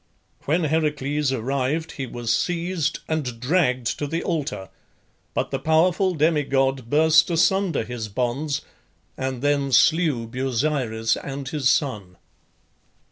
When Heracles arrived he was seized and dragged to the altar; but the powerful demi god burst asunder his bonds, and then slew Busiris and his son.